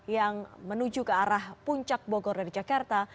yang menuju ke arah puncak bogor dari jakarta